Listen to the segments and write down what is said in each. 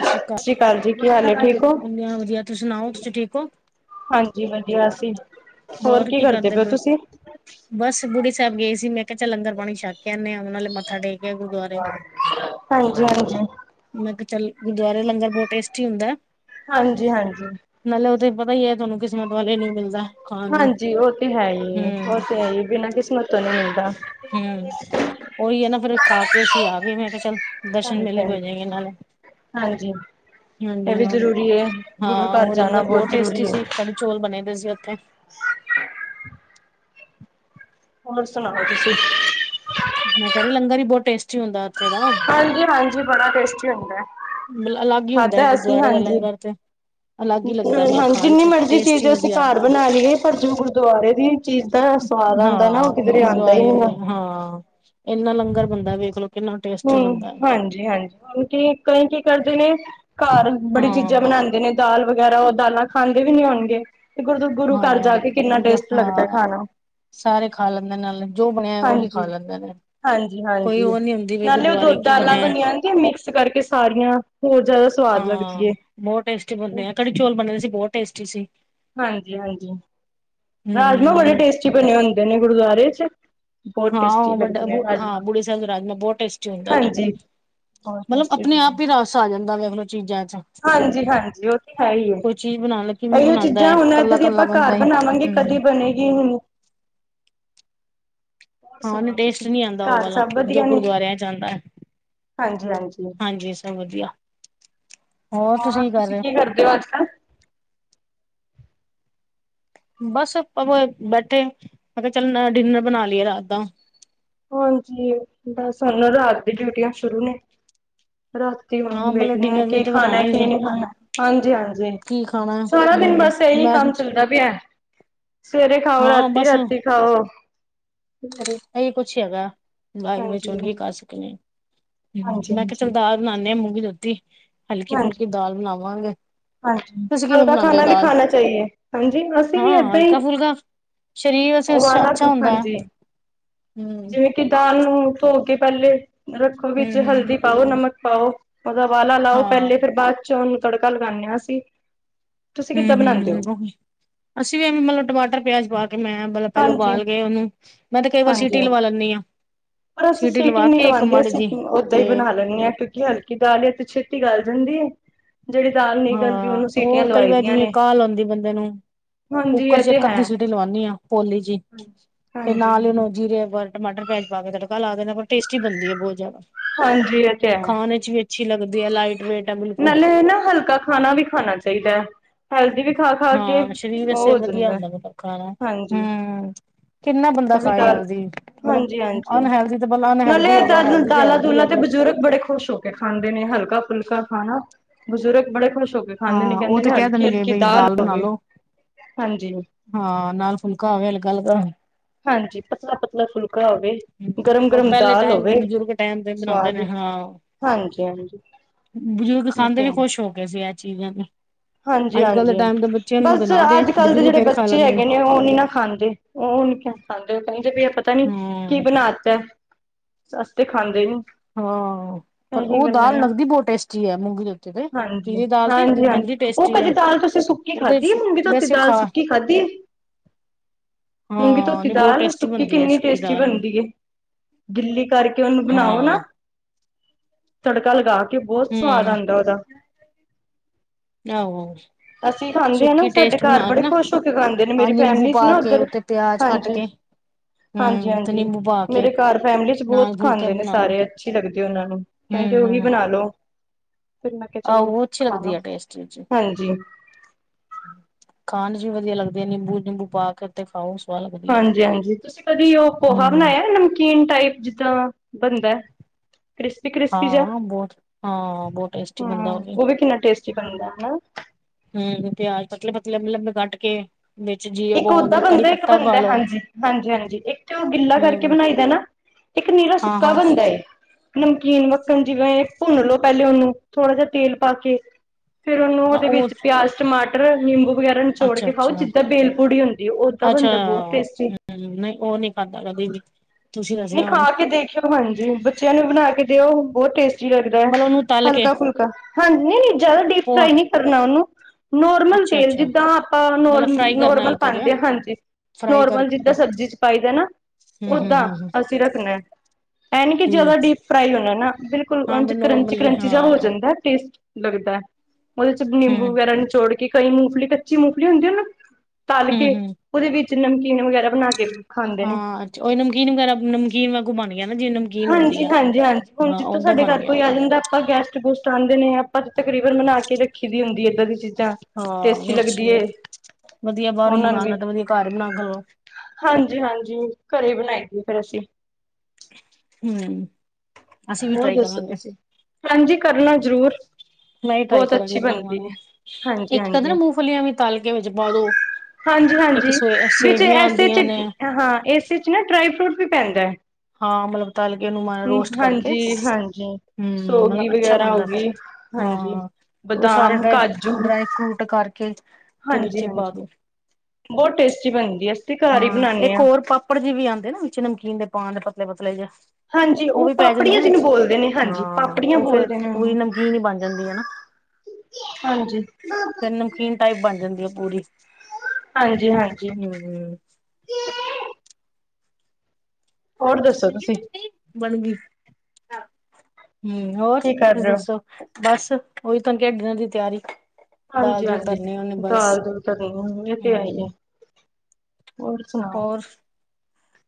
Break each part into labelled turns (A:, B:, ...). A: ਸਤਿ ਸ੍ਰੀ ਅਕਾਲ ਜੀ ਕੀ ਹਾਲ ਠੀਕ ਹੋ
B: ਵਧੀਆ ਵਧੀਆ ਤੁਸੀਂ ਸੁਣਾਓ ਤੁਸੀਂ ਠੀਕ ਹੋ
A: ਹਾਂਜੀ ਵਧੀਆ ਅਸੀ ਹੋਰ ਕੀ ਕਰਦੇ ਪਏ ਹੋ ਤੁਸੀਂ
B: ਬਸ ਬੁੜੀਏ ਸਾਹਿਬ ਗਏ ਸੀ ਮੈਂ ਕਿਹਾ ਚਲ ਲੰਗਰ ਪਾਣੀ ਛੱਕ ਕੇ ਆਨੇ ਆ ਨਾਲੇ ਮੱਥਾ ਟੇਕਿਆ ਗੁਰੂ
A: ਹਾਂਜੀ ਹਾਂਜੀ
B: ਮੈਂ ਕਿਹਾ ਚੱਲ ਗੁਰਦੁਆਰੇ ਲੰਗਰ ਬਹੁਤ ਟੇਸਟੀ ਹੁੰਦਾ ਹੈ
A: ਹਾਂਜੀ ਹਾਂਜੀ
B: ਨਾਲੇ ਉਹ ਤਾਂ ਪਤਾ ਹੀ ਹੈ ਤੁਹਾਨੂੰ ਕਿਸਮਤ ਵਾਲੇ ਨੂੰ ਮਿਲਦਾ ਖਾਣ ਨੂੰ
A: ਹਾਂਜੀ ਉਹ ਤੇ ਹੈ ਹੀ
B: ਹਮ
A: ਉਹ ਤੇ ਹੈ ਹੀ ਬਿਨਾਂ ਕਿਸਮਤ ਤੋਂ ਨਹੀਂ ਮਿਲਦਾ
B: ਹਮ ਉਹੀ ਹੈ ਨਾ ਫਿਰ ਖਾ ਕੇ ਅਸੀਂ ਆ ਗਏ ਮੈਂ ਕਿਹਾ ਚੱਲ ਦਰਸ਼ਨ
A: ਹਾਂਜੀ
B: ਮੇਲੇ ਵੀ ਹੋ
A: ਹਾਂਜੀ
B: ਜਾਏਗੇ ਨਾਲੇ
A: ਹਾਂਜੀ ਇਹ
B: ਹਾਂਜੀ
A: ਵੀ
B: ਹਾਂ
A: ਜ਼ਰੂਰੀ ਹੈ ਗੁਰੂ
B: ਹਾਂ
A: ਘਰ
B: ਉਹ
A: ਜਾਣਾ
B: ਲੰਗਰ ਬਹੁਤ
A: ਜ਼ਰੂਰੀ
B: ਟੇਸਟੀ
A: ਹੈ
B: ਸੀ ਕੜੀ ਚੋਲ ਬਣੇ ਦੇ ਸੀ ਉੱਥੇ
A: ਹੋਰ ਸੁਣਾਓ ਤੁਸੀਂ
B: ਮੈਂ ਕਹਿ ਰਹੀ ਹਾਂ ਲੰਗਰ ਹੀ ਬਹੁਤ ਟੇਸਟੀ ਹੁੰਦਾ ਉੱਥੇ ਦਾ
A: ਹਾਂਜੀ ਹਾਂਜੀ ਬੜਾ ਟੇਸਟੀ ਹੁੰਦਾ
B: ਅਲੱਗ ਹੀ ਹੁੰਦਾ ਹੈ
A: ਖਾਧਾ
B: ਗੁਰਦੁਆਰੇ ਦੇ ਲੰਗਰ ਤੋਂ
A: ਹਾਂ ਜਿੰਨੀ ਮਰਜੀ
B: ਟੇਸਟ
A: ਚੀਜ਼
B: ਹੀ
A: ਅਸੀਂ
B: ਵਧੀਆ
A: ਘਰ
B: ਆਂਦਾ।
A: ਬਣਾ ਲਈਏ ਹੈ ਪਰ ਜੋੋਂ ਗੁਰਦੁਆਰੇ ਦੀ ਚੀਜ਼ ਦਾ ਸਵਾਦ ਆਉਂਦਾ ਨਾ ਉਹ
B: ਹਾਂ।
A: ਕਿੱਧਰੇ ਆਉਂਦਾ ਹੀ
B: ਗੁਰਦੁਆਰੇ
A: ਨਹੀਂ ਹੈ
B: ਹਾਂ ਇੰਨਾ ਲੰਗਰ ਬਣਦਾ ਵੇਖ ਲੋ
A: ਹਮ ਹਾਂਜੀ ਹਾਂਜੀ ਉਹ ਤੇ ਕਈ ਕੀ ਕਰਦੇ ਨੇ ਘਰ ਬੜੀ ਚੀਜ਼ਾਂ
B: ਹਾਂ,
A: ਬਣਾਉਂਦੇ ਨੇ ਦਾਲ ਵਗੈਰਾ ਉਹ ਦਾਲਾਂ ਖਾਂਦੇ ਵੀ ਨਹੀਂ ਹੋਣਗੇ ਤੇ ਗੁਰ ਗੁਰੂ ਘਰ
B: ਹਾਂ,
A: ਜਾਕੇ ਕਿੰਨਾ ਟੇਸਟ ਲੱਗਦਾ
B: ਹਾਂ।
A: ਖਾਣਾ
B: ਸਾਰੇ ਖਾ ਲੈਂਦੇ ਨੇ ਨਾਲ ਜੋ ਬਣਿਆ ਉਹੀ
A: ਹਾਂਜੀ।
B: ਖਾ ਲੈਂਦੇ ਨੇ ਕੋਈ ਉਹ ਨੀ ਹੁੰਦੀ ਵੀ
A: ਪਹਿਲੇ ਉਹ ਦੁੱਧ
B: ਗੁਰਦੁਆਰੇ ਕੀ
A: ਦਾਲਾ
B: ਬਣਿਆ
A: ਬਣੀਆਂ ਹੁੰਦੀਏ ਮਿਕਸ ਕਰਕੇ ਸਾਰੀਆਂ ਹੋਰ ਜਿਆਦਾ ਸਵਾਦ ਲੱਗਦੀਆਂ
B: ਹਾਂ। ਬਹੁਤ ਟੇਸਟੀ ਬਣਦੇ ਆ ਕੜੀ ਚੋਲ ਬਣੇ ਸੀ ਬਹੁਤ ਟੇਸਟੀ ਸੀ
A: ਹਾਂਜੀ ਹਾਂਜੀ
B: ਹੂੰ
A: ਰਾਜਮਾਂਹ ਬੜੇ
B: ਨਾਲ
A: ਟੇਸਟੀ ਬਣੇ ਹੁੰਦੇ ਨੇ ਗੁਰਦੁਆਰੇ ਚੱ ਬਹੁਤ ਟੇਸਟੀ
B: ਹਾਂ ਵੱਡਾ
A: ਲੱਗਦੇ
B: ਹਾਂ
A: ਰਾਜਮਾਂਹ
B: ਬੁੜੇ ਸਾਹਿਬ ਦਾ ਰਾਜਮਾਂ ਬਹੁਤ ਟੇਸਟੀ ਹੁੰਦਾ ਨਾ।
A: ਹਾਂਜੀ ਬਹੁਤ
B: ਮਤਲਬ
A: ਟੇਸਟਿ
B: ਆਪਣੇ ਆਪ ਹੀ ਰਸ ਆ ਜਾਂਦਾ ਵੇਖਲੋ ਚੀਜ਼ਾਂ ਚ
A: ਹਾਂਜੀ ਹਾਂਜੀ ਹੈ ਹੀ
B: ਕੋਈ ਚੀਜ਼ ਬਣਾਣ ਲੱਗੀ ਵੀ
A: ਇਹੀ ਉਹ
B: ਬਣਾਂਦਾ
A: ਚੀਜ਼ਾਂ
B: ਐ।
A: ਹੁਣ ਇਦਾਂ ਦੀ
B: ਕੱਲਾ-ਕੱਲਾ
A: ਆਪਾਂ ਘਰ
B: ਬੰਦਾ ਈ
A: ਬਣਾਵਾਂਗੇ
B: ਹੂੰ।
A: ਕਦੀ ਬਣੇਗੀ ਨਹੀਂ ਹੋਰ
B: ਹਾਂਨ
A: ਸੁਣਾਓ
B: ਟੇਸਟ
A: ਤੁਸੀਂ
B: ਨਹੀਂ ਆਉਂਦਾ ਉਹ
A: ਘਰ
B: ਵਾਲਾ
A: ਸਭ ਵਧੀਆ
B: ਜੋ
A: ਨੇ
B: ਗੁਰੂਦੁਆਰਿਆਂ ਚੱ ਆਂਦਾ ਹੈ ਹਾਂਜੀ ਸਭ ਵਧੀਆ ਹੋਰ ਤੁਸੀਂ ਕਰ ਰਹੇ ਹੋ
A: ਦਿਵਾਲੀ ਤਕ
B: ਬਸ ਆਪਾ ਬੈਠੇ, ਮੈਂ ਕਿਹਾ ਚੱਲ ਡਿਨਰ ਬਣਾ ਲਈਏ ਰਾਤ ਦਾ।
A: ਹਾਂਜੀ, ਬਸ ਸਾਨੂੰ ਰਾਤ ਦੀ ਡਿਊਟੀਆਂ ਸ਼ੁਰੂ ਨੇ ਰਾਤ ਤੇ
B: ਹਾਂ
A: ਹੁਣ
B: ਮਤਲਬ
A: ਵੇਖਦੇ ਹਾਂ
B: ਡਿਨਰ ਵੀ
A: ਕੀ
B: ਤੇ
A: ਖਾਣਾ
B: ਬਣਾਣਾ
A: ਕਿ
B: ਹੀ ਹੈ
A: ਨਹੀਂ ਖਾਣਾ ਹਾਂਜੀ- ਹਾਂਜੀ
B: ਕੀ ਖਾਣਾ
A: ਸਾਰਾ ਦਿਨ
B: ਹਮ
A: ਬਸ ਇਹੀ
B: ਮੈਂ
A: ਕੰਮ ਚੱਲਦਾ ਪਿਆ, ਸਵੇਰੇ ਖਾਓ
B: ਹਾਂ
A: ਰਾਤੀ,
B: ਬਸ
A: ਰਾਤੀ
B: ਇਹੀ
A: ਖਾਓ।
B: ਇਹੀ ਕੁੱਛ ਹੈਗਾ, ਬਾਅਦ ਵਿੱਚ ਹੁਣ
A: ਹਾਂਜੀ
B: ਕੀ ਕਰ ਸਕਦੇ ਆ ਹਮ ਮੈਂ ਕਿਹਾ ਚੱਲ
A: ਹਾਂਜੀ।
B: ਦਾਲ ਬਣਾਣੇ ਆ ਮੂੰਗੀ ਧੋਤੀ ਹਲਕੀ
A: ਹਾਂਜੀ
B: ਫੁਲਕੀ ਦਾਲ ਬਣਾਵਾਂਗੇ।
A: ਹਾਂਜੀ
B: ਤੁਸੀਂ ਕਿਵੇਂ
A: ਹਲਕਾ
B: ਬਣਾਉਂਦੇ ਹੋ
A: ਖਾਣਾ ਵੀ
B: ਦਾਲ?
A: ਖਾਣਾ ਚਾਹੀਏ, ਹਾਂਜੀ ਅਸੀਂ ਵੀ
B: ਹਾਂ
A: ਇਦਾਂ ਹੀ।
B: ਹਲਕਾ ਫੁਲਕਾ ਸਰੀਰ ਵਾਸਤੇ
A: ਉਬਾਲਾ
B: ਅੱਛਾ ਹੁੰਦਾ ਹੈ
A: ਹਾਂਜੀ।
B: ਹਮ
A: ਜਿਵੇਂ ਕਿ ਦਾਲ ਨੂੰ ਧੋ ਕੇ ਪਹਿਲੇ ਰੱਖੋ
B: ਹਮ
A: ਵਿੱਚ
B: ਹਮ
A: ਹਲਦੀ ਪਾਓ ਨਮਕ ਪਾਓ ਉਹਦਾ ਉਬਾਲਾ ਲਾਓ,
B: ਹਾਂ
A: ਪਹਿਲੇ ਫੇਰ ਬਾਅਦ ਉਹਨੂੰ ਤੜਕਾ ਬਣਾ ਜਾਂਦੀ, ਤੁਸੀਂ ਕਿੱਦਾਂ
B: ਹਮ
A: ਬਣਾਉਂਦੇ ਹੋ?
B: ਹਮ ਹਮ ਅਸੀਂ ਵੀ ਉਵੇਂ ਮਤਲੱਬ ਟਮਾਟਰ ਪਿਆਜ ਪਾ ਕੇ ਮੈਂ ਮਤਲੱਬ ਪਹਿਲਾਂ
A: ਹਾਂਜੀ
B: ਉਬਾਲ ਕੇ ਉਹਨੂੰ ਮੈਂ ਤੇ ਕਈ ਵਾਰ
A: ਹਾਂਜੀ
B: ਸਟੀ
A: ਹਾਂਜੀ
B: ਲਵਾ ਲੈਂਦੀ ਹਾਂ।
A: ਪਰ ਅਸੀਂ ਸੀਟੀ
B: ਲਵਾ
A: ਨਹੀਂ
B: ਕੇ ਇੱਕ
A: ਲਵਾਉਂਦੇ,
B: ਮੜ ਜੀ
A: ਅਸੀਂ ਉੱਦਾਂ
B: ਤੇ
A: ਹੀ ਬਣਾ ਲੈਂਦੇ ਹਾਂ ਕਿਉਂਕਿ ਐ ਹਲਕੀ ਦਾਲ ਏ ਤੇ ਛੇਤੀ ਗਾਲ ਜਾਂਦੀ ਹੈ। ਜਿਹੜੀ ਦਾਲ ਨਹੀਂ ਗਲਦੀ
B: ਹਾਂ
A: ਉਹਨੂੰ ਸੀਟੀਆਂ
B: ਉਹ ਕਈ
A: ਲਵਾਈ
B: ਵਾਰ
A: ਦੀਆਂ
B: ਜਿਵੇਂ
A: ਨੇ
B: ਕਾਲ‌ ਹੂੰਦੀ ਬੰਦੇ ਨੂੰ।
A: ਹਾਂਜੀ
B: ਕੁੂੱਕਰ
A: ਇਹ
B: ਚੱ
A: ਤੇ
B: ਇਕ
A: ਹੈ
B: ਅੱਧੀ ਸੀਟੀ ਲਵਾਉਣੀ ਹਾਂ ਪੋਲੀ ਜੀ ਤੇ ਨਾਲ ਹੀ
A: ਹਾਂਜੀ
B: ਉਹਨੂੰ ਜੀਰੇ ਟਮਾਟਰ ਪਿਆਜ਼ ਪਾ ਕੇ ਤੜਕਾ ਲਾ ਦੇਣਾ, ਪਰ ਟੇਸਟੀ ਬਣਦੀ ਹੈ ਬਹੁਤ ਜ਼ਿਆਦਾ
A: ਹਾਂਜੀ ਇਹ ਤੇ ਹੈ
B: ਖਾਣੇ ਚੱ ਅੱਛੀ ਲੱਗਦੀ ਹੈ ਲਾਈਟ ਵੇਟ। ਹੈ ਬਿਲਕੁਲ
A: ਨਾਲੇ ਨਾ ਹਲਕਾ ਖਾਣਾ ਵੀ ਖਾਣਾ ਚਾਹੀਦਾ ਹੈ। ਹੈਲਦੀ ਵੀ ਖਾ, ਖਾ ਕੇ
B: ਹਾਂ ਸਰੀਰ
A: ਉਹ
B: ਵੈਸੇ
A: ਹੋ
B: ਵਧੀਆ
A: ਜਾਂਦਾ
B: ਹੁੰਦਾ ਮਤਲਬ ਖਾਣਾ
A: ਹਾਂਜੀ।
B: ਹਮ ਕਿੰਨਾ ਬੰਦਾ ਖਾਏ
A: [unintelligible]
B: ਹੈਲਦੀ ਮਤਲਬ
A: ਹਾਂਜੀ, ਹਾਂਜੀ
B: ਅਨਹੈਲਦੀ ਤੇ ਬਲ
A: ਨਾਲੇ
B: ਅਨਹੈਲਦੀ ਹੈਗਾ
A: ਏ
B: ਹੈਲਦੀ ਤੇ ਹੈਲਦੀ
A: ਦਾਲਾਂ-ਦੁਲਾਂ ਤੇ
B: ਹੈ
A: ਬਜੁਰਗ ਬੜੇ ਖੁਸ਼ ਹੋ ਕੇ ਖਾਂਦੇ ਨੇ, ਹਲਕਾ-ਫੁਲਕਾ ਖਾਣਾ, ਬਜੁਰਗ ਬੜੇ ਖੁਸ਼ ਹੋ ਕੇ ਤੇ ਖਾਂਦੇ ਨੇ,
B: ਹਾਂ ਉਹ
A: ਕੈਂਦੇ ਨੇ
B: ਤੇ ਕਹਿ ਦੇਣਗੇ
A: ਹਲਕੀ-ਹਲਕੀ
B: ਬਈ
A: ਦਾਲ
B: ਬਣਾ
A: ਹੋਵੇ,
B: ਲੋ
A: ਹਾਂਜੀ।
B: ਹਾਂ, ਨਾਲ ਫੁਲਕਾ ਹੋਵੇ ਹਲਕਾ-ਹਲਕਾ।
A: ਹਾਂਜੀ, ਪਤਲਾ-ਪਤਲਾ ਫੁਲਕਾ ਹੋਵੇ।
B: ਉਹ
A: ਗਰਮ-ਗਰਮ
B: ਪਹਿਲੇ
A: ਦਾਲ
B: ਟਾਈਮ ਤੇ
A: ਹੋਵੇ
B: ਬਜ਼ੁਰਗ ਟਾਈਮ ਤੇ ਬਣਾਉਂਦੇ
A: ਸਵਾਦ
B: ਨੇ
A: ਜੀ ਹਾਂਜੀ, ਹਾਂਜੀ।
B: ਬਜੁਰਗ
A: ਇਹ
B: ਖਾਂਦੇ
A: ਤੇ
B: ਵੀ
A: ਹੈ
B: ਖੁਸ਼ ਹੋ ਕੇ ਸੀ ਐ ਚੀਜਾਂ ਤੇ।
A: ਹਾਂਜੀ,
B: ਅੱਜ ਕੱਲ੍ਹ ਦੇ
A: ਹਾਂਜੀ
B: ਟਾਈਮ ਦੇ ਬੱਚਿਆਂ ਨੂੰ ਤੇ
A: ਬਾਸ
B: ਨਾ
A: ਆਜ-ਕਾਲ ਦੇ
B: ਬਜ਼ੁਰਗ
A: ਜੇੜੇ
B: ਫੇਰ ਖਾ
A: ਬੱਚੇ
B: ਲੈਣਗੇ
A: ਹੈਗੇ ਨੇ, ਓ ਨੀ ਨਾ ਖਾਂਦੇ। ਓ ਨੀ ਖਾਂਦੇ, ਓ ਕੈਂਦੇ ਵੀ ਪਤਾ ਨੀ ਕੀ
B: ਹਮ
A: ਬਨਾਤੈ। ਅਸੀਂ ਤੇ ਖਾਂਦੇ ਨੀ।
B: ਹਾਂ ਪਰ
A: ਇਹੀ
B: ਓ
A: ਗੱਲਾਂ
B: ਦਾਲ
A: ਨਾ
B: ਲਗਦੀ ਬੋਤ ਟੇਸਟੀ ਐ, ਮੂੰਗੀ ਧੋਤੀ ਤੇ, ਪੀਲੀ ਦਾਲ ਤੇ ਬਨਦੀ
A: ਓ ਕਦੇ ਦਾਲ ਤੂਸੀ ਸੁੱਕੀ ਖਾਦੀ ਏ, ਮੂੰਗੀ ਧੋਤੀ
B: ਵੈਸੇ
A: ਦਾਲ
B: ਖਾ
A: ਸੁੱਕੀ ਖਾਦੀ ਏ? ਮੂੰਗੀ
B: ਹਾਂ।
A: ਧੋਤੀ
B: ਨੀ ਬਹੁਤ
A: ਦਾਲ
B: ਟੇਸਟੀ
A: ਸੁੱਕੀ
B: ਬਣਦੀ ਹੈ
A: ਕਿੰਨੀ
B: ਸੁੱਕੀ
A: ਟੇਸਟੀ
B: ਦਾਲ ਵੀ
A: ਬਨਦੀ ਏ। ਗਿੱਲੀ ਕਾਰਕੇ ਓਨੂੰ ਬਨਾਓ ਨਾ
B: ਹਾਂ
A: ਤੜਕਾ ਲਗਾ ਕੇ। ਕਿ ਬੋਤ ਸਵਾਦ
B: ਹਮ
A: ਆਂਦਾ ਓਦਾ।
B: ਆਹੋ
A: ਅਸੀ ਖਾਂਦੇ ਆ
B: ਸੁੱਕੀ
A: ਨਾ, ਸਾਡੇ
B: ਟੇਸਟ
A: ਘਾਰ
B: ਬਣਾ ਕੇ
A: ਬੜੇ
B: ਨਾ
A: ਖੁਸ਼ ਹੋ ਕੇ ਖਾਂਦੇ ਨੇ, ਮੇਰੀ ਫੈਮਿਲੀ ਸੀ ਨਾ ਓਦੱਰ
B: ਪੇਆਜ ਕਾੱਟ ਕੇ
A: ਹਾਂਜੀ,
B: ਹੂੰ ਤੇ
A: ਹਾਂਜੀ
B: ਨਿੰਬੂ ਪਾ ਕੇ
A: ਮੇਰੇ ਘਾਰ ਫੈਮਲੀ ਚ
B: ਨਾਲ
A: ਬੋਤ
B: ਫੁਲਕੇ
A: ਖਾਂਦੇ ਨੇ
B: ਬਣਾਓ
A: ਸਾਰੇੇ ਏ। ਅੱਛੀ ਲੱਗਦੀ ਓਨਾਂ ਨੂੰ, ਕੈਂਦੇ ਓਹੀ
B: ਹੂੰ
A: ਬਨਾ ਲੋ। ਫਿਰ ਮੈਂ ਕਿਹਾ ਚਲੋ
B: ਆਹੋ ਅੱਛੀ
A: ਖਾ
B: ਲਗਦੀ
A: ਲੋ
B: ਐ ਟੇਸਟ ਵਿੱਚ।
A: ਹਾਂਜੀ।
B: ਖਾਣ ਇਚ ਵੀ ਵਦੀਆ ਲੱਗਦੀ ਏ ਨਿੰਬੂ-ਨਿੰਬੂ ਪਾ ਕੇ। ਤੇ ਖਾਓ ਸਵਾਦ ਲੱਗੇ
A: ਹਾਂਜੀ, ਹਾਂਜੀ ਤੂਸੀ ਕਦੀ ਓ ਪੋਹਾ ਬਨਾਏਆ, ਨਮਕੀਨ ਟਾਈਪ ਦਾ ਬਣਦੈ ਕਰੀਸ ਤੇ ਕ੍ਰਿਸਪੀ ਜੇਆ,
B: ਹਾਂ ਬਹੁਤ ਹਾਂ ਬਹੁਤ ਟੇਸਟੀ ਬਣਦਾ
A: ਹਾਂ
B: ਉਹ
A: ਓ ਵੀ ਕਿੰਨਾ ਟੈਸਟੀ ਬਨਦੈ, ਹਨਾਂ?
B: ਹਂ, ਪਿਆਜ ਪਤਲੇ-ਪਤਲੇ, ਲੰਬੇ-ਲੰਬੇ ਕੱਟ ਕੇ ਵਿੱਚ ਜੀ
A: ਇੱਕ ਓਦਾਂ ਬਣਦੈ, ਇੱਕ ਬਣਦਾ ਹਾਂਜੀ, ਹਾਂਜੀ, ਹਾਂਜੀ ਇੱਕ ਤੇ ਓ ਗਿੱਲਾ ਕਰਕੇ
B: ਹੂੰ
A: ਬਨਾਈ ਦਾ ਨਾਂ ਇੱਕ ਨਿਰਾਂ
B: ਹਾਂ
A: ਸੁੱਕਾ
B: ਹਾਂ
A: ਬਨਦਾ ਏ। ਨਮਕੀਨ ਮੱਖਣ ਜਿਵੇਂ ਭੁੰਨ ਲੋ ਪੈਲੇ ਓਨੂੰ, ਥੋੜਾ ਜਿਆ ਤੇਲ ਪਾਕੇ ਫੇਰ ਉਨੂੰ
B: ਨਾ
A: ਓਦੇ
B: ਉਹ
A: ਵਿੱਚ ਪੇਆਜ, ਟਮਾਟਰ, ਨਿੰਬੂ ਵਗੈਰਾ ਨਚੋੜ
B: ਅੱਛਾ
A: ਕੇ ਪਾਓ
B: ਅੱਛਾ
A: ਜਿੱਦਾਂ ਬੇਲ ਪੂੜੀ ਹੁੰਦੀ ਏ, ਓਦਾੱ ਬਨਦਾ ਏ ਬੋਤ ਟੇਸਟੀ।
B: ਹਂ, ਮੇਂ ਕੋ ਨੀਂ ਖਾਦਾ, ਕਦੀ ਵੀ। ਤੁਸੀਂ
A: ਨਈਂ
B: ਦੱਸਿਆ ਹੁਣ
A: ਖਾ ਕੇ ਦੇਖੇਓ ਹਾਂਜੀ, ਬੱਚਿਆਂ ਨੂੰ ਬਨਾ ਕੇ ਦੇਓ ਬੋਤ ਟੇਸਟੀ ਟੀ ਲਗਦਾ ਏ,
B: ਮਤਲਬ ਉਹਨੂੰ ਤਲ ਕੇ
A: ਹਲਕਾ-ਫੁਲਕਾ, [unintelligible] ਜਾਦਾ ਡੀਪ
B: ਪੋਹਾ
A: ਫਰਾਈ ਨੀਂ ਕਰਨਾ ਏਨੂੰ ਨੋਰਮਲ
B: ਅੱਛਾ
A: ਤੇਲ
B: ਅੱਛਾ
A: ਜਿੱਦਾਂ ਆਪਾਂ ਨੋਰ
B: ਮਤਲਬ ਫਰਾਈ ਕਰਨਾ
A: ਨੋਰਮਲ
B: ਹਲਕਾ ਜਿਹਾ
A: ਪਾਂਦੇ। ਹਾਂਜੀ।
B: ਫਰਾਈ
A: ਨੋਰਮਲ ਜਿੱਦਾਂ ਸਬਜੀ ਚ ਪਾਈਦਾ ਨਾਂ।
B: ਹਂ, ਹਂ, ਹਂ, ਹਂ।
A: ਅਸੀ ਰੱਖਨੈ, ਐ ਨੀਂ ਕਿ ਜਾਦਾ ਡੀਪ ਫਰਾਈ ਹੋਨੈ, ਨਾਂ ਬਿਲਕੁਲ
B: ਹਾਂ ਬ
A: ਓਂਜ
B: ਨੋਰਮਲੀ
A: ਕਰੰਚੀ-ਕਰੰਚੀ ਜਿਆ ਹੋ
B: ਹਾਂ
A: ਜਣ ਬੋਹਤ ਟੇਸਟ ਲੱਗਦੈ। ਓਦੇ ਚ
B: ਹੂੰ
A: ਨਿੰਬੂ ਵਗੈਰਾ ਨਚੋੜ ਕੇ ਕਿ ਕਈ ਮੂੰਫਲੀ ਕੱਚੀ ਮੂੰਫਲੀ ਹੁੰਦੀ ਏ ਨਾਂ, ਤਲ
B: ਹੂੰ
A: ਕੇ
B: ਹੂੰ
A: ਉਦੇ ਵਿੱਚ ਨਮਕੀਨ ਵਗੈਰਾ ਬਨਾਂ ਕੇ ਖਾਂਦੇ ਨੇ
B: ਹਾਂ ਅੱਛਾ ਓ ਈ ਨਮਕੀਨ ਵਗੈਰਾ, ਨਮਕੀਨ ਵਾਂਗੂ ਬਨ ਗਿਆ ਨਾਂ ਜਿਵੇਂ ਨਮ
A: ਹਾਂਜੀ, ਹਾਂਜੀ, ਹਾਂਜੀ ਹੁਨ ਜਿੱਥੇ ਸਾਡੇ
B: ਬਣ
A: ਘਾਰ
B: ਗਿਆ
A: ਕੋਈ ਆ ਜਾਂਦੈ, ਆਪਾਂ ਗੈਸਟ-ਗੁਸਟ ਚਾਂਦੇ ਨੇ ਆਪਾਂ ਤਕਰੀਬਨ ਬਨਾਂ ਕੇ ਰੱਖੀ ਦੀ ਹੁੰਦੀ ਏ ਏਦਾਂ ਦੀ ਚੀਜਾਂ, ਟੇਸਟੀ
B: ਹਾਂ
A: ਲਗਦੀ
B: ਅੱਛਾ
A: ਏ।
B: ਵਧੀਆ ਬਾਰੋਂ
A: ਉਹਨਾਂ ਨੂੰ
B: ਮੰਗਾਂਨ
A: ਵੀ
B: ਨਾਲੋਂ ਵਦੀਐ ਘਾਰ ਬਨਾਓ ਖਲੋ।
A: ਹਾਂਜੀ, ਹਾਂਜੀ ਘਰੇ ਬਨਾਈ ਦੀ ਏ ਫੇਰ ਅਸੀ।
B: ਹਂ।
A: ਹੋਰ ਦੱਸੋ ਤੂਸੀ, ਹਾਂਜੀ ਕਰਨਾ ਜਰੂਰ।
B: ਮੈਂ ਈ ਟਰਾਈ ਕਰਾਂਗੀ ਬਨਾਵਾਂਗੀ,
A: ਹਾਂਜੀ
B: ਇੱਕ ਕੈਂਦੇ ਨੇ
A: ਹਾਂਜੀ
B: ਮੂੰਫਲੀਆਂ ਵੀ ਤਲ ਕੇ ਵਿੱਚ ਪਾ ਦੋ
A: ਹਾਂਜੀ
B: ਇੱਕ
A: ਹਾਂਜੀ
B: ਸੋ
A: ਵਿੱਚ
B: ਸੇਵੀਆਂ
A: ਏਸੇ
B: ਆਉਂਦੀਆਂ
A: ਚ
B: ਨੇ
A: ਹਾਂ ਏਸੇ ਚ ਨਾਂ ਡਰਾਈ ਫਰੂਟ ਵੀ ਪੈਂਦਾ ਐ।
B: ਹਾਂ, ਮਤਲਬ ਤਲਕੇ ਓਨੂੰ ਮਾੜਾ ਰੋਸ਼ ਟ ਕਰਕੇ ਹਂ,
A: ਹਾਂਜੀ ਹਾਂਜੀ ਸੋਗੀ
B: ਮਤਲਬ ਅੱਛਾ
A: ਵਗੈਰਾ ਹੋ
B: ਬਣਦਾ ਫਿਰ।
A: ਗਈ ਹਾਂਜੀ
B: ਹਾਂ ਓ ਸਾਰੇ
A: ਬਦਾਮ
B: ਡਰਾ
A: ਕਾਜੂ
B: ਡਰਾਈ ਫਰੂਟ ਕਰਕੇ ਤੇ ਵਿੱਚੇ ਪਾ ਦੋ।
A: ਬੋਤ ਟੇਸਟੀ ਬਣਦੀ ਐ।
B: ਹਾਂ ਇੱਕ ਹੋਰ ਪਾਪੜ ਜੀ ਵੀ ਆਂਦੇ ਨਾਂ, ਵਿੱਚ ਨਮਕੀਨ ਦੇ ਪਾਣ ਦੇ ਪਤਲੇ-ਪਤਲੇ ਜੇ।
A: ਹਾਂਜੀ
B: ਓ
A: ਉਹ
B: ਵੀ ਪੈ ਜਾਂਦੀ
A: ਪਾਪੜੀਆਂ ਜਿਹਨੂੰ
B: ਵਿੱਚ
A: ਬੋਲਦੇ ਨੇ ਹਾਂਜੀ
B: ਹਾਂ
A: ਪਾਪੜੀਆਂ
B: ਓ ਫੇਰ
A: ਬੋਲਦੇ ਨੇ
B: ਪੂਰੀ
A: ਉਹਨੂੰ
B: ਨਮਕੀਨ ਈ ਬਣ ਜਾਂਦੀ ਐ ਨਾਂ।
A: ਹਾਂਜੀ।
B: ਤੇ ਨਮਕੀਨ ਟਾਈਪ ਬਣ ਜਾਂਦੀ ਐ ਪੂਰੀ।
A: ਹਾਂਜੀ, ਹਾਂਜੀ।
B: ਹਂ।
A: ਕੀ? ਹੋਰ ਦੱਸੋ ਤੁਸੀਂ?
B: ਬਣ ਗੀ, [unintelligible] ਹਂ, ਹੋਰ
A: ਕੀ ਕਰ
B: ਤੁਸੀਂ
A: ਰਹੇ ਹੋ?
B: ਦੱਸੋ। ਬਸ ਓਈ ਤੁਆਨੂੰ ਕਿਆ, ਡਿਨਰ ਦੀ ਤਿਆਰੀ। ਦਾਲ
A: ਹਾਂਜੀ
B: ਦੂਲ
A: ਹਾਂਜੀ।
B: ਧਰਨੇ ਉਹਨੇ ਬਸ
A: ਦਾਲ-ਦੂਲ ਧਰੀਂ ਨੂੰ ਹੁਣੇ ਤੇ ਆਈ
B: ਹਮ
A: ਏ। ਹੋਰ। ਸੁਣਾਓ?
B: ਹੋਰ,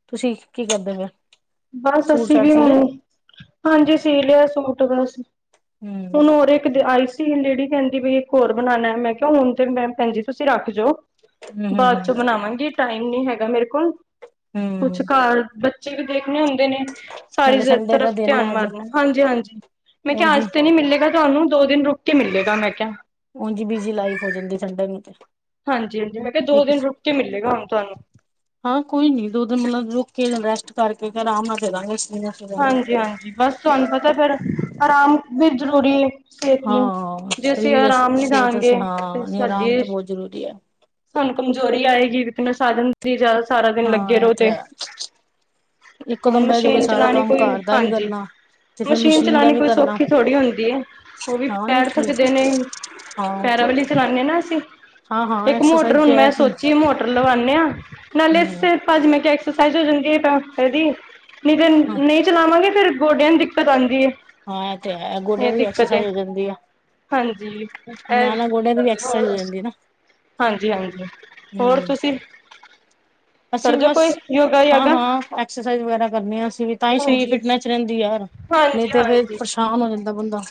B: ਤੁਸੀਂ ਕੀ ਕਰਦੇ ਪੇਉ।
A: ਬਸ ਅਸੀਂ ਵੀ ਹੁਣ ਹਾਂਜੀ ਸੀ ਲਿਆ ਸੂਟ ਬਸ
B: ਹਮ
A: ਹੁਣ ਹੋਰ ਇੱਕ ਦੇ ਆਈਸ [unintelligible] ਲੇਡੀ ਕਹਿੰਦੀ ਬਈ ਇੱਕ ਹੋਰ ਬਣਾਉਣਾ ਮੈਂ ਕਿਹਾ ਹੁਣ ਤੇ ਮੇਮ ਭੈਣਜੀ ਤੁਸੀਂ ਰੱਖ ਜਾਓ
B: ਹਮ ਹਮ
A: ਬਾਅਦ
B: ਹਮ
A: ਚੋਂ ਬਣਾਵਾਂਗੀ ਟਾਈਮ ਨੀ ਹੈਗਾ ਮੇਰੇ ਕੋਲ ਕੁੱਛ
B: ਹੂੰ,
A: ਘਰ ਬੱਚੇ ਵੀ ਦੇਖਣੇ ਹੁੰਦੇ ਨੇ ਸਾਰੀ
B: ਨਾਲੇ
A: [unintelligible]
B: ਸੰਡੇ ਦਾ
A: ਤਰਫ਼
B: ਦਿਨ
A: ਧਿਆਨ
B: ਹੈ ਅੱਜ
A: ਮਾਰਨਾ ਹਾਂਜੀ ਹਾਂਜੀ ਮੈਂ ਕਿਹਾ
B: ਉੰਝ
A: ਅੱਜ ਤੇ ਨੀ ਮਿਲੇਗਾ ਤੁਹਾਨੂੰ ਦੋ ਦਿਨ ਰੁਕ ਕੇ ਮਿਲੇਗਾ ਮੈਂ ਕਿਹਾ
B: ਉਂਝ ਬੀਜੀ ਲਾਈਫ ਹੋ ਜਾਂਦੀ ਸੰਡੇ ਨੂੰ ਤੇ
A: ਹਾਂਜੀ ਹਾਂਜੀ ਮੈਂ ਕਿਹਾ ਦੋ
B: ਇੱਕ
A: ਦਿਨ ਰੁਕ ਕੇ ਮਿਲੇਗਾ ਹੁਣ ਤੁਹਾਨੂੰ
B: ਹਾਂ ਕੋਈ ਨੀ ਦੋ ਦਿਨ ਮਤਲਬ ਰੁਕ ਕੇ ਜਾਂ ਰੈਸਟ ਕਰਕੇ ਆਰਾਮ ਨਾਲ ਦੇਂਦਾਗੇ ਸ਼ੀਨਾ
A: ਹਾਂਜੀ ਹਾਂਜੀ ਬਸ ਤੁਹਾਨੂੰ ਪਤਾ ਹੈ ਫੇਰ ਆਰਾਮ ਵੀ ਜ਼ਰੂਰੀ ਐ ਸਿਹਤ ਨੂੰ
B: ਹਾਂ
A: ਜੇ ਅਸੀਂ
B: ਸਰੀਰ
A: ਆਰਾਮ ਨੀ
B: ਸਿਹਤ
A: ਦਾਂਗੇ
B: ਅਸਤੇ
A: ਤੇ
B: ਹਾਂ ਨਹੀਂ
A: ਸਾਡੀ
B: ਆਰਾਮ ਤਾਂ ਬਹੁਤ ਜ਼ਰੂਰੀ ਹੈ।
A: ਸਾਨੂੰ ਕਮਜ਼ੋਰੀ ਆਏਗੀ ਵੀਕਨੈਸ ਆ ਜਾਂਦ ਦੀ ਜਿਆਦਾ ਸਾਰਾ ਦਿਨ ਲੱਗੇ
B: ਹਾਂ ਇਹ
A: ਰਹੋ ਤੇ
B: ਹੈ ਇੱਕੋ
A: ਹੁਣ
B: ਦਮ ਬਹਿ ਜੋਗੇ
A: ਮਸ਼ੀਨ
B: ਸਾਰਾ
A: ਚਲਾਣੀ
B: ਕੰਮ
A: ਕੋਈ
B: ਘਰ ਦਾ ਵੀ
A: ਹਾਂਜੀ
B: ਕਰਨਾ ਤੇ ਫੇਰ ਮਸ਼ੀਨ ਦਾ
A: ਚਲਾਣੀ
B: ਵੀ
A: ਕੋਈ
B: ਕਰਨਾ
A: ਸੌਖੀ ਥੋੜ੍ਹੀ ਹੁੰਦੀ ਏ। ਉਹ
B: ਹਾਂ
A: ਵੀ
B: [unintelligible] ਹਾਂ‌
A: ਪੈਰ ਥੱਕਦੇ ਨੇ
B: ਉਹ‌‌ ਤੇ ਹੈ
A: [unintelligible] ਨਾ ਅਸੀਂ
B: ਹਾਂ ਹਾਂ
A: ਇੱਕ ਮੋਟਰ
B: ਐਕਸਰਸਾਈਜ਼
A: ਹੁਣ
B: ਪਿਆ
A: ਮੈਂ
B: ਹੂੰ
A: ਸੋਚੀ ਮੋਟਰ ਲਵਾਉਣੇ ਹਾਂ ਨਾਲੇ ਫਿਰ ਭਾਜੀ ਮੈਂ ਕਿਹਾ ਐਕਸਰਸਾਈਜ਼ ਹੋ ਜਾਂਦੀ ਏ [unintelligible] ਦੀ ਨਹੀਂ ਤੇ
B: ਹਾਂ
A: ਏਹਨੂੰ ਨਹੀਂ ਚਲਾਵਾਂਗੇ ਫੇਰ ਗੋਡਿਆਂ ਦੀ ਦਿੱਕਤ ਆਉਂਦੀ ਹੈ
B: ਹਾਂ ਇਹ ਤੇ ਹੈ ਗੋਡਿਆਂ
A: ਇਹ
B: ਦੀ ਵੀ
A: ਦਿੱਕਤ ਹੈ
B: ਐਕਸਰਸਾਈਜ਼ ਹੋ ਜਾਂਦੀ ਆ
A: ਹਾਂਜੀ
B: ਨਾਲ ਨਾਲ ਗੋਡਿਆਂ ਦੀ ਵੀ ਐਕਸਰਸਾਈਜ਼ ਹੋ
A: [unintelligible]
B: ਜਾਂਦੀ ਨਾ
A: ਹਾਂਜੀ ਹਾਂਜੀ ਹੋਰ
B: ਹੂੰ
A: ਤੁਸੀਂ
B: ਅਸੀਂ ਵੀ
A: ਕਰਦੇ
B: ਬਸ
A: ਕੋਈ ਯੋਗਾ
B: ਹਾਂ
A: ਯਾਗਾ
B: ਹਾਂ ਐਕਸਰਸਾਈਜ਼ ਵਗੈਰਾ ਕਰਨੀ ਆ ਅਸੀਂ ਵੀ ਤਾਂਹੀ ਸਰੀਰ
A: ਹਾਂਜੀ
B: ਫਿਟਨੈਸ ਰਹਿੰਦੀ ਯਾਰ ਨਹੀਂ
A: ਹਾਂਜੀ
B: ਤੇ ਫੇਰ
A: ਹਾਂਜੀ
B: ਪਰੇਸ਼ਾਨ ਹੋ ਜਾਂਦਾ ਬੰਦਾ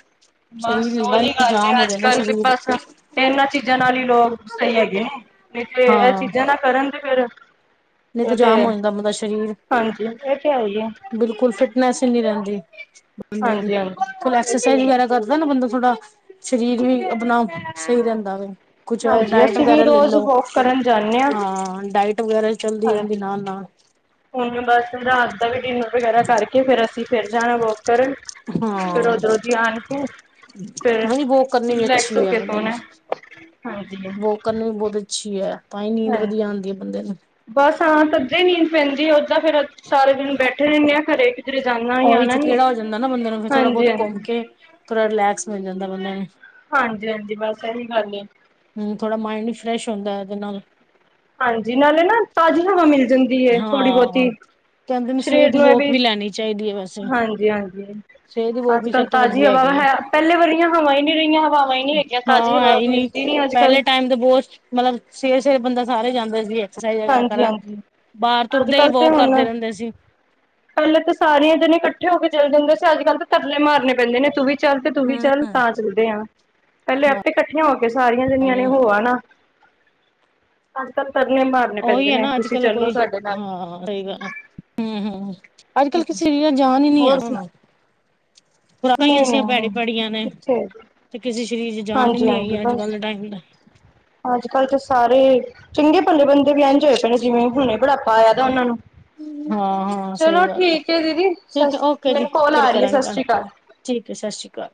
A: ਬਸ
B: ਸਰੀਰ ਹਿਲਦਾ
A: ਓਹੀ
B: ਨੀ
A: ਗੱਲ
B: ਜਾਮ
A: ਹੈ
B: ਹੋ
A: ਅੱਜ
B: ਜਾਂਦਾ
A: ਕੱਲ ਤੇ
B: ਸਰੀਰ।
A: ਬਸ ਇਹਨਾਂ ਚੀਜ਼ਾਂ ਨਾਲ ਹੀ ਲੋਕ ਸਹੀ ਹੈਗੇ ਨੇ ਨਹੀਂ ਤੇੇ ਇਹ
B: ਹਾਂ
A: ਚੀਜ਼ਾਂ ਨਾ ਕਰਨ ਤੇ ਫੇਰ
B: ਨਹੀਂ ਤੇ
A: ਏ ਤੇੇ
B: ਜਾਮ
A: ਹੈ
B: ਹੋ ਜਾਂਦਾ ਬੰਦਾ ਸਰੀਰ
A: ਹਾਂਜੀ ਏ ਤੇ ਹੈ ਹੀ ਐ
B: ਬਿਲਕੁਲ ਫਿਟਨੈਸ ਹੀ ਨੀ ਰਹਿੰਦੀ ਬੰਦੇ ਦੀ
A: ਹਾਂਜੀ
B: ਕੋਈ ਐਕਸਰਸਾਈਜ਼
A: ਹਾਂਜੀ
B: ਵਗੈਰਾ ਕਰ ਲ [unintelligible] ਨਾ ਬੰਦਾ ਥੋੜਾ ਸਰੀਰ ਵੀ ਆਪਣਾ ਸਹੀ ਰਹਿੰਦਾ ਵੇ ਕੁੱਛ ਔਰ
A: ਹਾਂਜੀ
B: ਡਾਇਟ
A: ਅਸੀਂ ਵੀ
B: ਵਗੈਰਾ ਲ
A: ਰੋਜ਼
B: ਲਓ
A: ਵੋਕ ਕਰਨ ਜਾਂਦੇ
B: ਹਾਂ ਡਾਇਟ ਵਗੈਰਾ [unintelligible] ਰਹਿੰਦੇ
A: ਹਾਂਜੀ
B: ਨਾਲ ਨਾਲ
A: ਹੁਣ ਬਸ ਰਾਤ ਦਾ ਵੀ ਡਿਨਰ ਵਗੈਰਾ ਕਰਕੇ ਫੇਰ ਅਸੀਂ ਫੇਰ ਜਾਣਾ ਵੋਕ ਕਰਨ ਫਿਰ
B: ਹਾਂ
A: ਉਧਰੋਂ ਦੀ ਆਣ ਕੇ ਫਿਰ
B: ਨਹੀਂ ਵੋਕ ਕਰਨੀ ਵੀ
A: ਰਿਲੈਕਸ
B: ਅੱਛੀ
A: ਹੋ
B: ਹੈ
A: ਕੇ
B: ਬੰਦੇ ਨੂੰ
A: ਸੋਣਾ ਹਾਂਜੀ ਹਾਂ
B: ਵੋਕ ਕਰਨੀ ਵੀ ਬਹੁਤ ਅੱਛੀ ਹੈ ਤਾਂ ਹੀ ਨੀਂਦ ਵਧੀਆ ਆਉਂਦੀ ਹੈ ਬੰਦੇ ਨੂੰ
A: ਬਸ ਹਾਂ ਤੱਧੇ ਹੀ ਨੀਂਦ ਪੈਂਦੀ ਓਦਾਂ ਫੇਰ ਸਾਰੇ ਦਿਨ ਬੈਠੇ ਰਹਿੰਦੇ ਦੇ ਆਂ ਘਰੇ ਕਿਧਰੇ ਜਾਣਾ ਨੀ
B: ਉਹੀ
A: ਆਣਾ ਨੀ
B: [unintelligible] ਹੋ ਜਾਂਦੈ ਨਾ ਬੰਦੇ ਨੂੰ ਫਿਰ ਥੋੜਾ
A: ਹਾਂਜੀ
B: ਬਹੁਤ ਘੁੰਮ
A: ਹਾਂਜੀ
B: ਕੇ ਥੋੜ੍ਹਾ ਰਿਲੈਕਸ ਮਿਲ ਜਾਂਦਾ ਬੰਦੇ ਨੂੰ
A: ਹਾਂਜੀ ਹਾਂਜੀ ਬਸ ਇਹੀ ਗੱਲ ਏ
B: ਹਮ ਥੋੜ੍ਹਾ ਮਾਇੰਡ ਵੀ ਫਰੈਸ਼ ਹੋਂਦਾ ਹੈ ਉਹਦੇ ਨਾਲ
A: ਹਾਂਜੀ ਨਾਲੇ ਨਾ ਤਾਜ਼ੀ ਹਵਾ ਮਿਲ ਜਾਂਦੀ ਏ ਥੋੜੀ
B: ਹਾਂ।
A: ਬਹੁਤੀ
B: ਕਹਿੰਦੇ ਨੇ ਸਵੇਰ
A: ਸ਼ਰੀਰ
B: ਦੀ
A: ਨੂੰ ਇਹ
B: ਵੋਕ
A: ਵੀ
B: ਲੈਣੀ ਚਾਹੀਦੀ ਐ ਵੈਸੇ,
A: ਹਾਂਜੀ ਹਾਂਜੀ
B: ਸਵੇਰ ਦੀ ਵੋਕ
A: ਅੱਜ
B: ਵੀ
A: ਕੱਲ੍ਹ
B: ਸਭ ਤੋਂ
A: ਤਾਜ਼ੀ
B: ਵਧੀਆ
A: ਹਵਾਂਵਾ
B: ਹੈਗੀ ਐ।
A: ਹੈ ਪਹਿਲੇ ਵਰਗੀਆਂ ਹਵਾ ਹੀ ਨੀ ਰਹੀਆਂ ਹਵਾਵਾਂ ਹੀ ਨੀ ਹੈਗੀਆਂ ਤਾਜ਼ੀ
B: ਹਾਂ ਹੈ
A: ਹਵਾ
B: ਹੀ
A: ਵੀ ਏ ਨੀ ਅੱਜ-ਕੱਲ
B: ਪਹਿਲੇ ਟਾਈਮ ਦੇ ਬੋਤ, ਮਤਲਬ ਸਵੇਰੇ-ਸਵੇਰੇ ਬੰਦਾ ਸਾਰੇ ਜਾਂਦਾ ਸੀਗੇ [unintelligible] ਵਗੈਰਾ
A: ਹਾਂਜੀ
B: ਕਰਨ,
A: ਹਾਂਜੀ
B: ਬਾਰ
A: ਅੱਜ
B: ਤੁਰਦੇ ਈ ਵੋਕ ਕਰਦੇ ਰੈਂਦੇ ਸੀ।
A: ਪੈਲੇ ਤਾਂ ਸਾਰੀਆਂ ਜਨੇ ਕੱਠੇ ਹੋ ਕੇ ਚੱਲ ਜਾਂਦੇ ਸੀ ਅੱਜ-ਕੱਲ ਤਾਂ ਤਰਲੇ ਮਾਰਨ ਪੈਂਦੇ ਨੇ ਤੂੰ ਵੀ ਚੱਲ ਤੇ ਤੂੰ ਵੀ
B: ਹੂੰ।
A: ਚੱਲ ਤਾਂ ਚੱਲਦੇ ਆਂ ਪੈਲੇ
B: ਹਾਂ,
A: ਆਪੇ ਕੱਠੀਆਂ ਹੋ ਕੇ ਸਾਰੀਆਂ ਜਨੀਆਂ ਨੇ
B: ਨਹੀਂ
A: ਹੋ ਆਨਾ ਅੱਜ ਤੱਕ ਤਰਲੇ ਮਾ
B: ਓਈ ਐ ਨਾ ਅੱਜ-ਕੱਲ ਕੋਈ, ਹਾਂ ਸਈ ਗੱਲ ਐ, ਹੂੰ-ਹੂੰ ਅੱਜ-ਕੱਲ ਕਿਸੇ ਵੀ ਜਾਨ ਈ ਨੀ ਆ
A: ਹੋਰ ਸੁਣਾ
B: ਖੁਰਾਕਾਂ ਈ
A: ਨਹੀਂ
B: ਐਸੀ
A: ਨਹੀਂ
B: ਭੈੜੀ ਭੈੜੀਆਂ ਨੇ
A: ਕਿੱਥੇ
B: ਤੇ ਕਿਸੇ ਦੇ ਸਰੀਰ ਚ ਜਾਨ ਈ
A: ਹਾਂਜੀ
B: ਨੀ ਹੈਗੀ ਅੱਜ-ਕੱਲ ਦਾ ਟਾਈਮ ਦਾ
A: ਅੱਜ-ਕੱਲ ਤੇ ਸਾਰੇ ਚੰਗੇ ਭਲੇ ਬੰਦੇ ਵੀ ਇੰਜ ਹੋਏ ਪਏ ਨੇ ਜਿਵੇਂ ਹੁਨੇ ਬੁਢਾਪਾ ਆਏਆ ਦਾ ਓਨਾਂ ਨੂੰ।
B: ਹਾਂ ਹਾਂ ਸਹੀ
A: ਚਲੋ
B: ਗੱਲ ਆ
A: ਠੀਕ ਐ ਦੀਦੀ,
B: ਠੀਕ
A: ਸਾਸ
B: ਹੈ ਓਕੇ ਜੀ
A: ਮੈਨੂੰ ਕੌਲ
B: ਫਿਰ
A: ਆਰੀ ਐ
B: ਕਰਾਂਗੇ ਗੱਲ
A: ਸਾਸਰੀ ਕਾਲ।
B: ਠੀਕ ਐ ਸਾਸਰੀ ਕਾਲ।